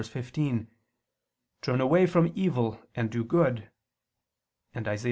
33:15: "Turn away from evil, and do good," and Isa.